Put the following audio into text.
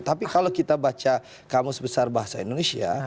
tapi kalau kita baca kamus besar bahasa indonesia